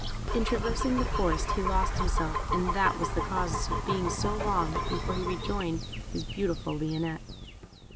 In traversing the forest he lost himself, and that was the cause of his being so long before he rejoined his beautiful Lionette.